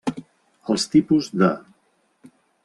Els tipus de.